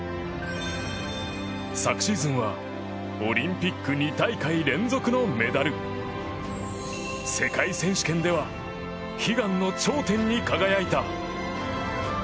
昨シーズンはオリンピック２大会連続のメダル世界選手権では悲願の頂点に輝いた。